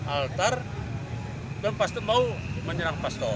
altar dan pastor mau menyerang pastor